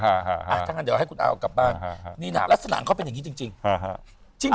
ถ้างั้นเดี๋ยวให้คุณอาเอากลับบ้านนี่น่ะลักษณะเขาเป็นอย่างนี้จริง